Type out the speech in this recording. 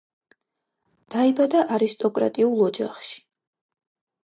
დაიბადა არისტოკრატიულ ოჯახში.